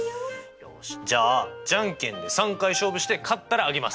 よしじゃあじゃんけんで３回勝負して勝ったらあげます。